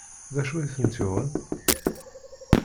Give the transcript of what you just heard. D acu i tent-yuɣen?